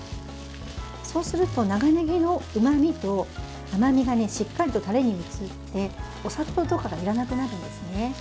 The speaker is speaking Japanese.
そうすると長ねぎのうまみと甘みがしっかりとタレに移ってお砂糖とかがいらなくなるんですね。